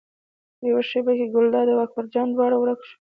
یوه شېبه کې ګلداد او اکبر جان دواړه ورک شول.